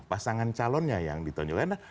pasangan calonnya yang ditunjukkan